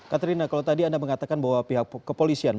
katrina kalau tadi anda mengatakan bahwa pihak kepolisian